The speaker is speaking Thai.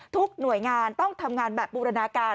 ทุกหน่วยงานต้องทำงานแบบบูรณาการ